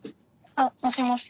あっもしもし。